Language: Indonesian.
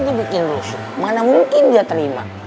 dibikin rusuh mana mungkin dia terima